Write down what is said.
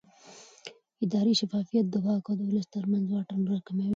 اداري شفافیت د واک او ولس ترمنځ واټن راکموي